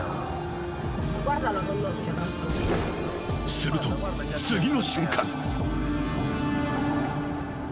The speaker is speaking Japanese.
［すると次の瞬間］